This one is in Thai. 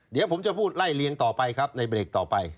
เดี๋ยวผมจะพูดไล่เลียงต่อไปครับในเบรกต่อไป